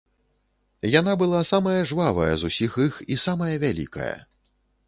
Яна была самая жвавая з усіх іх і самая вялікая.